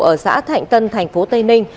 ở xã thạnh tân tp tây ninh